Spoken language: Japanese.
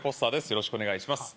よろしくお願いします